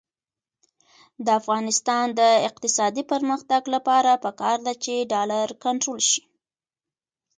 د افغانستان د اقتصادي پرمختګ لپاره پکار ده چې ډالر کنټرول شي.